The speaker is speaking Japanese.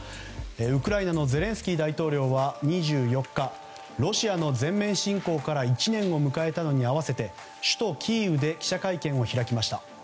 ウクライナのゼレンスキー大統領は２４日、ロシアの全面侵攻から１年を迎えたのに合わせて首都キーウで記者会見を開きました。